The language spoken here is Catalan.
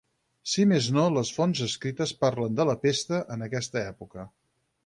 Si més no les fonts escrites parlen de la pesta en aquesta època.